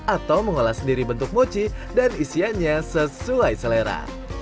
atau mengolah sendiri bentuk mochi dan isiannya sesuai selera